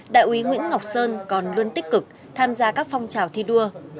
đại úy nguyễn ngọc sơn còn luôn tích cực tham gia các phong trào thi đua